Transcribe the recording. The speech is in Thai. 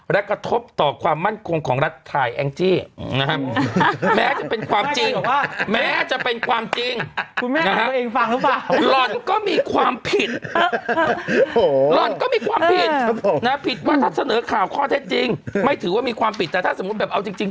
และกระทบต่อความมั่นคงของรัฐไทยแอ้งจี้แม้จะเป็นความจริง